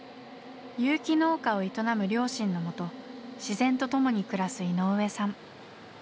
有機農家を営む両親のもと自然と共に暮らす井上さん。